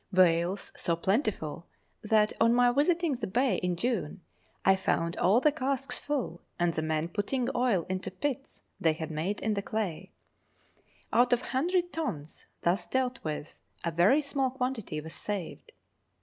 Whales so plentiful that, on my visiting the Bay in June, I found all the casks full, and the men putting oil into pits 3 04 Letters from Victorian Pioneers. they had made in the clay. Out of 100 tons thus dealt with a very small quantity was saved.